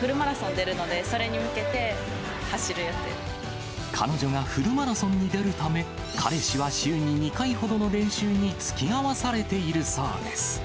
フルマラソン出るので、それに向彼女がフルマラソンに出るため、彼氏は週に２回ほどの練習につきあわされているそうです。